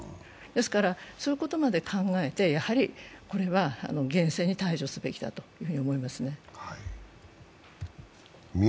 ですからそういうことまで考えてこれは厳正に対処すべきだと思いますね。